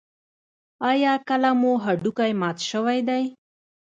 ایا کله مو هډوکی مات شوی دی؟